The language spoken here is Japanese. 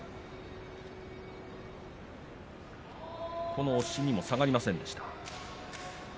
この押しにも下がりませんでした。